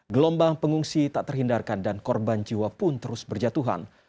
gelombang pengungsi tak terhindarkan dan korban jiwa pun terus berjatuhan